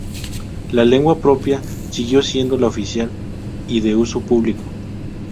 La lengua propia siguió siendo la oficial y de uso público.